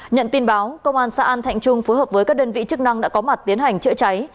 nhận tin báo công an xã an thạnh trung phối hợp với các đơn vị chức năng đã có mặt tiến hành chữa cháy